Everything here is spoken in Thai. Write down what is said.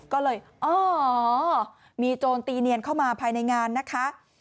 ก็เลยอ๋อมีโจรตีเนียนเข้ามาภายในงานนะคะ